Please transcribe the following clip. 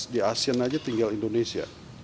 di asean aja tinggal indonesia